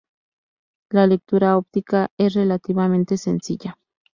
La lectura óptica es relativamente sencilla.